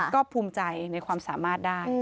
ก็ภูมิใจในความสามารถได้